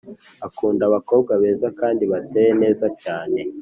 Akunda abakobwa beza kandi bateye neza cyane